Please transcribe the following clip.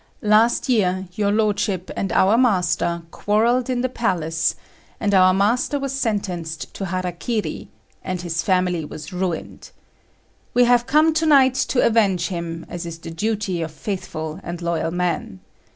Last year your lordship and our master quarrelled in the palace, and our master was sentenced to hara kiri, and his family was ruined. We have come to night to avenge him, as is the duty of faithful and loyal men.